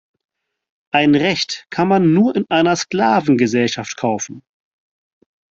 Ein Recht kann man nur in einer Sklavengesellschaft kaufen.